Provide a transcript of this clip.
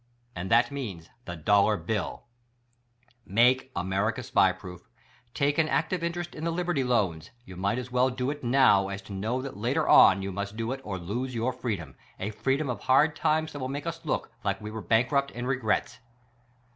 And that means the dollar bill! SPY PROOF AMERICA 37 Make America SPY proof; take an active interest in the liberty loans—you might as wdll do it now as to know that later on you must do it or lose your freedom, a freedom of hard times that will make us look like we were bankrupt in regrets.